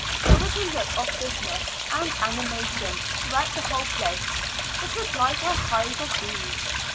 There was a look of business and animation throughout the whole place: it was like a hive of bees.